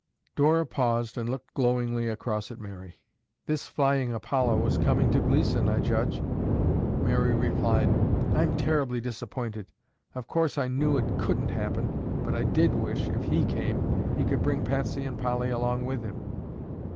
Dora paused and looked glowingly across at Mary. "This flying Apollo is coming to Gleeson, I judge." Mary replied, "I'm terribly disappointed. Of course I knew it couldn't happen, but I did wish, if he came, he could bring Patsy and Polly along with him."